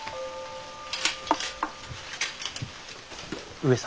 上様